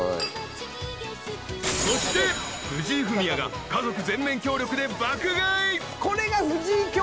［そして藤井フミヤが家族全面協力で爆買い］